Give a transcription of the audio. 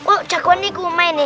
oh jaguan ini lumayan nih